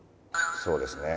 そうですね。